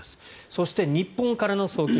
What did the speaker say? そして、日本からの送金